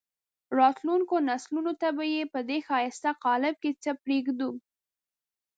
راتلونکو نسلونو ته به په دې ښایسته قالب کې څه پرېږدو.